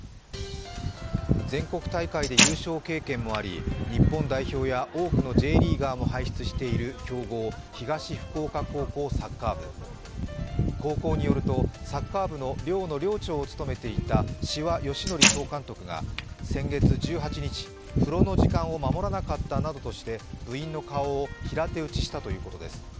全国大会で優勝経験もあり日本代表や多くのＪリーガーも輩出している強豪・東福岡高校サッカー部高校によるとサッカー部の寮の寮長を務めていた志波芳則総監督が先月１８日、風呂の時間を守らなかったなどとして部員の顔を平手打ちしたということです。